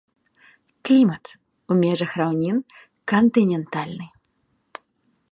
Клімат у межах раўнін кантынентальны.